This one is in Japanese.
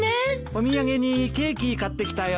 お土産にケーキ買ってきたよ。